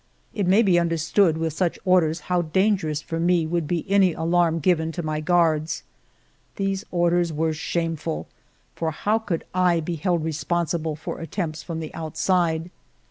It may be understood, with such orders how dangerous for me would be any alarm given to my guards. These orders were shameful ; for how could I be held responsible for attempts from the outside?